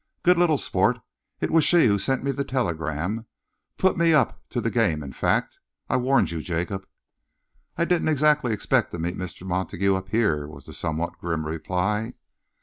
"Good little sport! It was she who sent me the telegram put me up to the game, in fact. I warned you, Jacob." "I didn't exactly expect to meet Mr. Montague up here!" was the somewhat grim reply.